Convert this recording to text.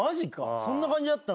そんな感じだったんだ。